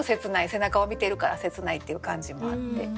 背中を見てるから切ないっていう感じもあって。